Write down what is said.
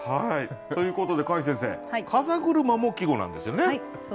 ということで櫂先生「風車」も季語なんですよね。